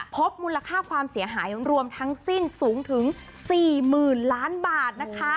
พบมูลค่าความเสียหายรวมทั้งสิ้นสูงถึง๔๐๐๐ล้านบาทนะคะ